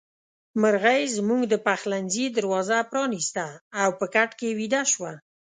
مرغۍ زموږ د پخلنځي دروازه پرانيسته او په کټ کې ويده شوه.